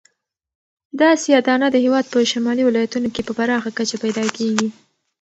دا سیاه دانه د هېواد په شمالي ولایتونو کې په پراخه کچه پیدا کیږي.